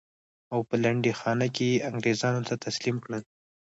او په لنډۍ خانه کې یې انګرېزانو ته تسلیم کړل.